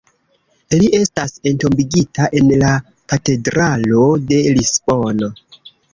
Li estas entombigita en la Katedralo de Lisbono.